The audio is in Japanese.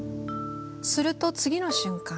すると次の瞬間